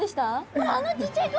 ほらあのちっちゃい子！